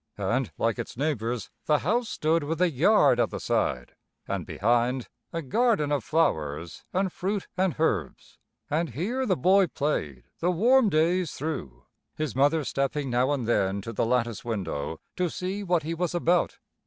And like its neighbors, the house stood with a yard at the side, and behind, a garden of flowers and fruit and herbs. And here the boy played the warm days through, his mother stepping now and then to the lattice window to see what he was about.